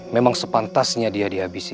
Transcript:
memang sepantasnya dia dihabisi